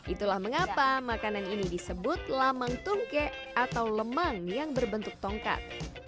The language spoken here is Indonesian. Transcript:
itulah mengapa makanan ini disebut lamang tungke atau lemang yang berbentuk tongkat